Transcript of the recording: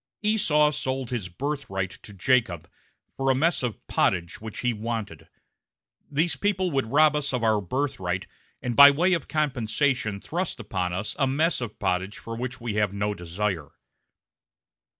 Esau sold his birthright to Jacob for a mess of pottage which he wanted; these people would rob us of our birthright and by way of compensation thrust upon us a mess of pottage for which we have no desire.